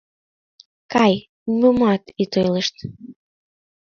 Кай, нимомат ит ойлышт!